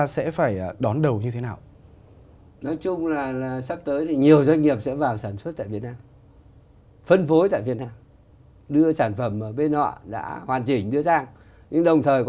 xin chào và hẹn gặp lại